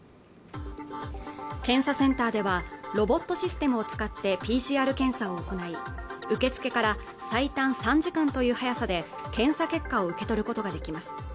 検査センターではロボットシステムを使ってＰＣＲ検査を行い受付から最短３時間という速さで検査結果を受け取ることができます